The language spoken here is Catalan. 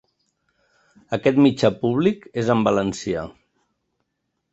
Aquest mitjà públic és en valencià.